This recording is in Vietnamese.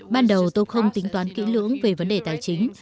ban đầu tôi không tính toán kỹ lưỡng về vấn đề tài chính